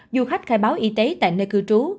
du khách khai báo y tế tại nơi cư trú